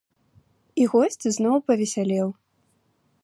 І госць зноў павесялеў.